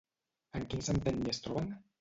En quin centenni es troben?